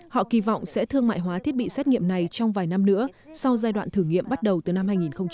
họ kỳ vọng sẽ thương mại hóa thiết bị xét nghiệm này trong vài năm nữa sau giai đoạn thử nghiệm bắt đầu từ năm hai nghìn hai mươi